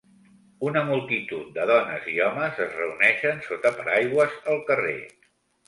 Una multitud de dones i homes es reuneixen sota paraigües al carrer